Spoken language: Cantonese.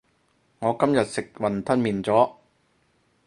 我今日食雲吞麵咗